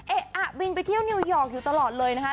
เอ๊ะอ่ะบินไปเที่ยวนิวยอร์กอยู่ตลอดเลยนะคะ